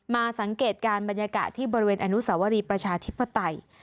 มาสังเกตการณ์บรรยากาศที่บริเวณอนุสาวรีประชาธิปไตย